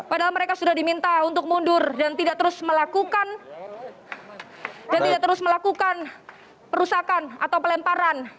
padahal mereka sudah diminta untuk mundur dan tidak terus melakukan perusakan atau pelemparan